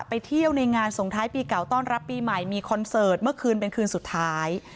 ไปเที่ยวในงานส่งท้ายปีเก่าต้อนรับปีใหม่มีคอนเสิร์ตเมื่อคืนเป็นคืนสุดท้าย